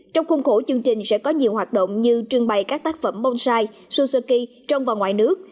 trong khuôn khổ chương trình sẽ có nhiều hoạt động như trưng bày các tác phẩm bonsai suzuki trong và ngoài nước